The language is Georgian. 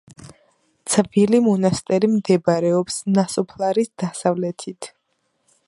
ძველი მონასტერი მდებარეობს ნასოფლარის დასავლეთით.